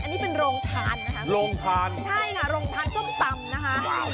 อันนี้เป็นโรงทานนะคะโรงทานส้มตำนะคะ